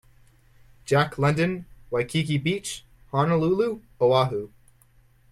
Jack London, Waikiki Beach, Honolulu, Oahu.